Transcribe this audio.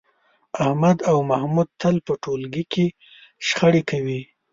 احمد او محمود تل په ټولګي کې شخړې کوي.